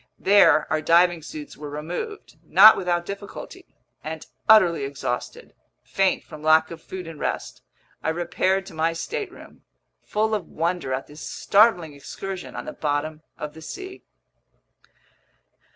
There our diving suits were removed, not without difficulty; and utterly exhausted, faint from lack of food and rest, I repaired to my stateroom, full of wonder at this startling excursion on the bottom of the sea.